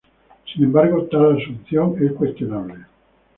Sin embargo tal asunción es cuestionable.